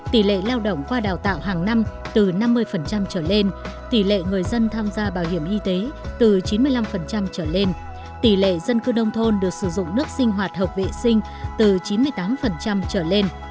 tỷ lệ lao động qua đào tạo hàng năm từ năm mươi trở lên tỷ lệ người dân tham gia bảo hiểm y tế từ chín mươi năm trở lên tỷ lệ dân cư nông thôn được sử dụng nước sinh hoạt hợp vệ sinh từ chín mươi tám trở lên